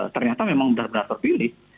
ternyata memang benar benar terpilih